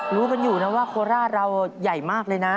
รู้กันอยู่นะว่าโคราชเราใหญ่มากเลยนะ